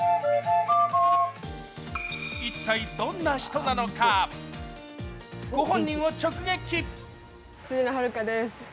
一体、どんな人なのかご本人を直撃。